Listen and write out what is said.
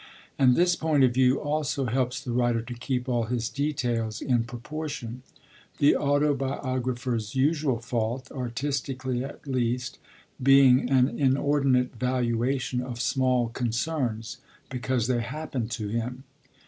And this point of view also helps the writer to keep all his details in proportion; the autobiographer's usual fault, artistically at least, being an inordinate valuation of small concerns, because they happened to him.